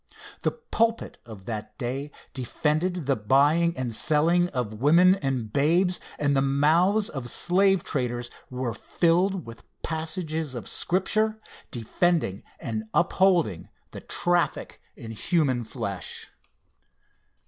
The pulpit of that day defended the buying and selling of women and babes, and the mouths of slave traders were filled with passages of Scripture, defending and upholding the traffic in human flesh.